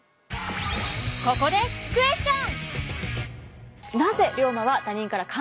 ここでクエスチョン！